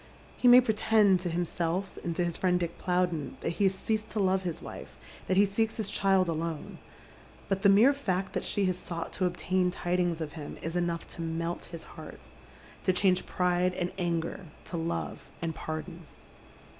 He may pretend to himself and to his friend Dick Plowden that he has ceased to love his wife, that he seelcs his child alone ; but the mere fact that she has sought to obtain tidings of him is enough to melt his heaii, to change pride and anger to love and paj don.